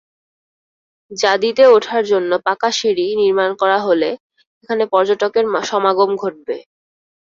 জাদিতে ওঠার জন্য পাকা সিঁড়ি নির্মাণ করা হলে এখানে পর্যটকের সমাগম ঘটবে।